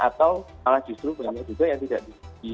atau malah justru banyak juga yang tidak di